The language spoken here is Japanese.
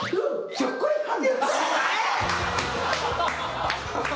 ひょっこりはん。